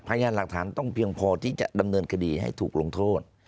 พยานหลักฐานต้องเพียงพอที่จะดำเนินคดีให้ถูกลงโทษ